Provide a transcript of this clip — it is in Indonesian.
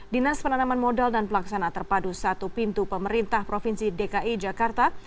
dinas penanaman modal dan pelaksanaan terpadu satu pintu pemerintah provinsi dki jakarta